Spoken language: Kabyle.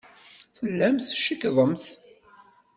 Tellamt tcekkḍemt.